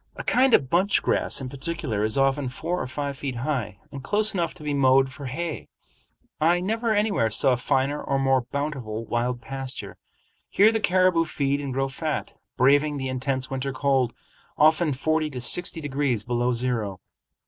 A kind of bunch grass in particular is often four or five feet high, and close enough to be mowed for hay. I never anywhere saw finer or more bountiful wild pasture. Here the caribou feed and grow fat, braving the intense winter cold, often forty to sixty degrees below zero.